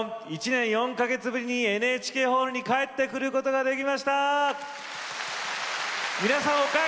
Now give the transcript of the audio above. １年４か月ぶりにＮＨＫホールに帰ってくることができました。